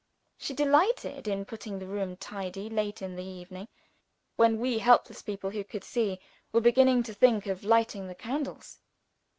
She delighted in putting the room tidy late in the evening, when we helpless people who could see were beginning to think of lighting the candles.